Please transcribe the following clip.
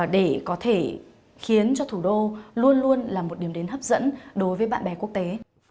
để khiến cho thủ đô luôn luôn là một điểm đến hấp dẫn đối với bạn bè quốc tế